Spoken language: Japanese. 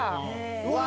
うわ！